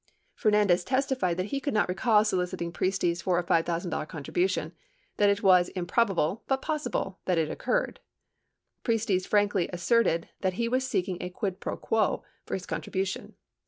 Fernandez testified that he could not recall soliciting Priestes for a $5,000 contribution, that it was improbable — but possible — that it occurred. 97 Priestes frankly asserted that he was seeking a quid pro quo for his contribution.